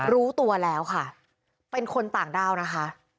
รู้ตัวแล้วค่ะเป็นคนต่างด้าวนะคะ